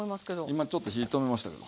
今ちょっと火止めましたけど。